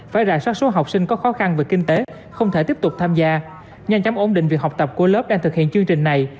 phải rà soát số học sinh có khó khăn về kinh tế không thể tiếp tục tham gia nhanh chóng ổn định việc học tập của lớp đang thực hiện chương trình này